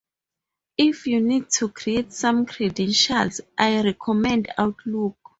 If you need to create some credentials, I recommend Outlook